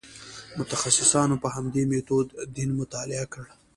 متخصصانو په همدې میتود دین مطالعه کړ.